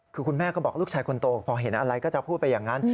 คือคุณแม่ก็บอกลูกชายคนโตพอเห็นอะไรก็จะพูดไปอย่างนั้น